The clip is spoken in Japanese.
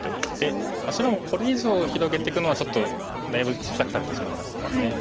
白もこれ以上広げていくのはちょっとだいぶ小さくされてしまいましたからね。